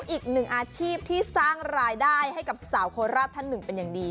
อีกหนึ่งอาชีพที่สร้างรายได้ให้กับสาวโคราชท่านหนึ่งเป็นอย่างดี